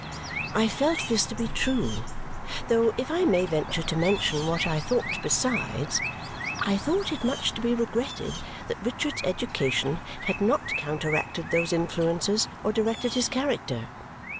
I felt this to be true; though if I may venture to mention what I thought besides, I thought it much to be regretted that Richard's education had not counteracted those influences or directed his character.